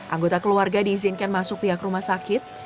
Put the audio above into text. anggota keluarga diizinkan masuk pihak rumah sakit